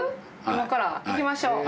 今から行きましょう。